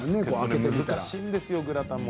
難しいんですよグラタンも。